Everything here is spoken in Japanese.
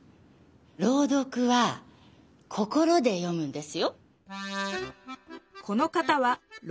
朗読は心で読むんですよ。